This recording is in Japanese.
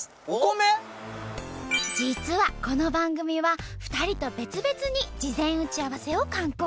実はこの番組は２人と別々に事前打ち合わせを敢行。